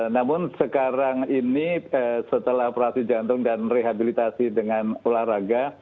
namun sekarang ini setelah operasi jantung dan rehabilitasi dengan olahraga